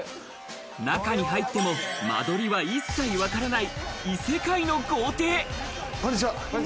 中に入っても間取りは一切わからない、異世界の豪邸。